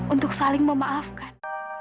untuk saling memaafkan